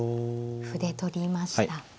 歩で取りました。